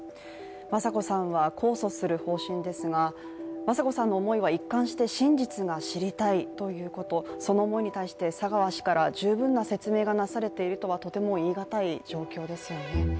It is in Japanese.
雅子さんは控訴する方針ですが雅子さんの思いは一貫して真実が知りたいということその思いに対して佐川氏から十分な説明がなされているとはとても言い難い状況ですよね。